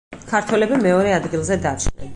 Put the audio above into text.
ქართველები მეორე ადგილზე დარჩნენ.